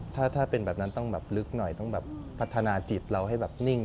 ถ้าเป็นแบบนั้นต้องแบบลึกหน่อยต้องแบบพัฒนาจิตเราให้แบบนิ่ง